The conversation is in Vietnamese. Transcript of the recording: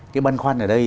cái băn khoăn ở đây